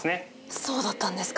そうだったんですか。